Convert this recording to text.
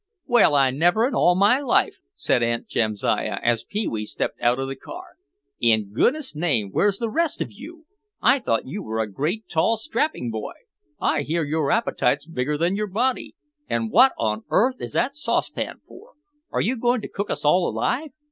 "Well, I never in all my life!" said Aunt Jamsiah as Pee wee stepped out of the car. "In goodness' name, where's the rest of you? I thought you were a great, tall, strapping boy. I hope your appetite's bigger than your body. And what on earth is that saucepan for? Are you going to cook us all alive?